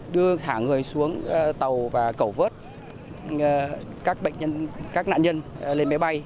đưa thả người xuống tàu và cầu vớt các nạn nhân lên máy bay